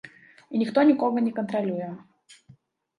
І ніхто нікога не кантралюе.